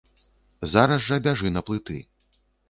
Зараз жа бяжы на плыты.